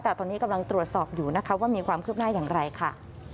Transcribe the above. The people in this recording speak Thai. แต่ตอนนี้กำลังตรวจสอบอยู่นะคะว่ามีความคืบหน้าอย่างไรค่ะ